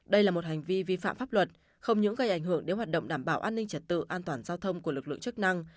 đây là một hành vi vi phạm pháp luật không những gây ảnh hưởng đến hoạt động đảm bảo an ninh trật tự an toàn giao thông của lực lượng chức năng